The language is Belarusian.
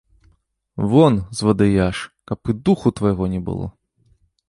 Вон, звадыяш, каб і духу твайго не было.